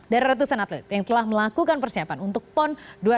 dari ratusan atlet yang telah melakukan persiapan untuk pon dua ribu dua puluh